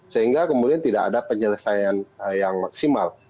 sehingga kemudian tidak ada penyelesaian yang maksimal